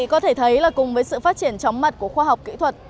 có thể thấy là cùng với sự phát triển chóng mặt của khoa học kỹ thuật